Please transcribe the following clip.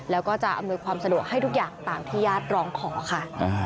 แล้วก็จะอำนวยความสะดวกให้ทุกอย่างตามที่ญาติร้องขอค่ะ